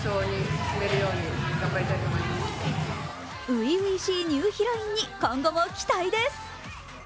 初々しいニューヒロインに今後も期待です。